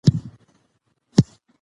امکان لري پوهه ژوره شي.